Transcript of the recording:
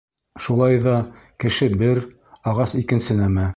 Шулай ҙа кеше бер, ағас икенсе нәмә.